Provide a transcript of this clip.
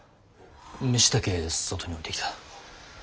飯だけ外に置いてきた。